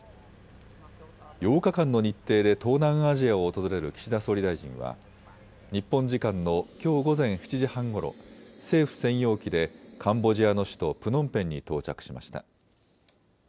８日間の日程で東南アジアを訪れる岸田総理大臣は日本時間のきょう午前７時半ごろ、政府専用機でカンボジアの首都プノンペンに到着しました。